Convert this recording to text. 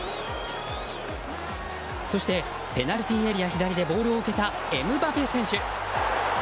そして、ペナルティーエリア左でボールを受けたエムバペ選手。